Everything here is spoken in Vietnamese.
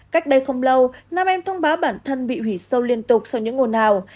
cách đây không lâu nam em thông báo bản thân bị hủy sâu liên tục sau những ồn nào